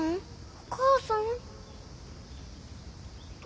お母さん！